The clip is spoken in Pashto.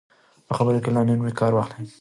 په خبرو کې له نرمۍ کار واخلئ.